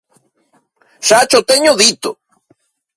Xa cho teño dito!